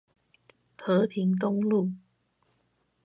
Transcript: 和平東路